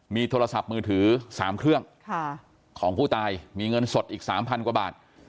มีโทรศัพท์มือถือ๓เครื่องของผู้ตายมีเงินสดอีก๓๐๐กว่าบาท